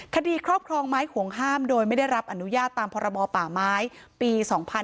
ครอบครองไม้ห่วงห้ามโดยไม่ได้รับอนุญาตตามพรบป่าไม้ปี๒๕๕๙